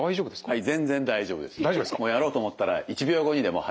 はい。